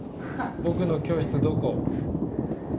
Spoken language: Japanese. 僕の教室どこ？